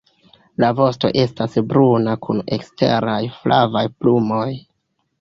La vosto estas bruna kun eksteraj flavaj plumoj.